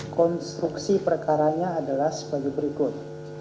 konstruksi perkaranya adalah sebagai berikut